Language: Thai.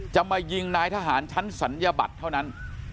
จะมายิงนายทหารชั้นศัลยบัตรเท่านั้น